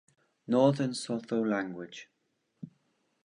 Northern Sotho language.